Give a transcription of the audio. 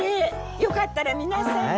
よかったら皆さんで。